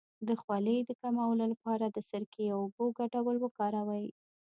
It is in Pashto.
د خولې د کمولو لپاره د سرکې او اوبو ګډول وکاروئ